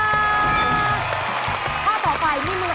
ค่าต่อไป๒๕๐๐๐บาท